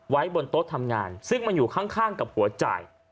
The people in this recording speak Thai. ไว้บนโต๊ะทำงานซึ่งมันอยู่ข้างกับหัวจ่าย